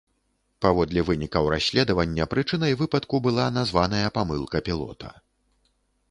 Паводле вынікаў расследавання прычынай выпадку была названая памылка пілота.